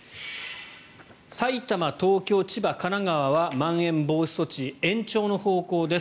埼玉、東京、千葉、神奈川はまん延防止措置延長の方向です。